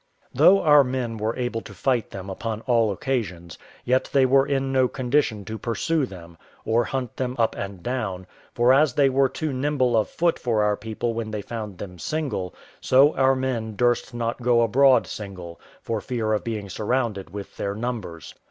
Though our men were able to fight them upon all occasions, yet they were in no condition to pursue them, or hunt them up and down; for as they were too nimble of foot for our people when they found them single, so our men durst not go abroad single, for fear of being surrounded with their numbers.